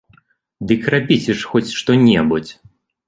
Дык рабіце ж хоць што-небудзь!